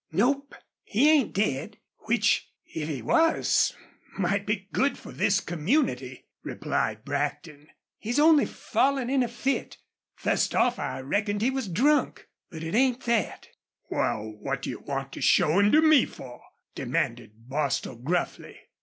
"Nope, he ain't dead, which if he was might be good for this community," replied Brackton. "He's only fallen in a fit. Fust off I reckoned he was drunk. But it ain't thet." "Wal, what do you want to show him to me for?" demanded Bostil, gruffly.